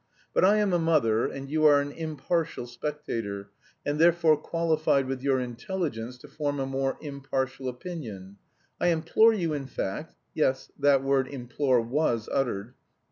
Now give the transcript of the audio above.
But I am a mother and you are an impartial spectator, and therefore qualified with your intelligence to form a more impartial opinion. I implore you, in fact' (yes, that word, 'implore' was uttered!)